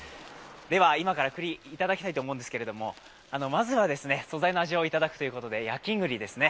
今から栗、いただきたいと思うんですけどまずは素材の味をいただくということで焼き栗ですね。